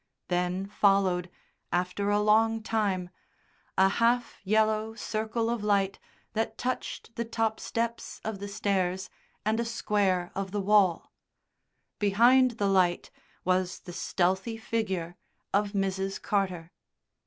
Then followed, after a long time, a half yellow circle of light that touched the top steps of the stairs and a square of the wall; behind the light was the stealthy figure of Mrs. Carter.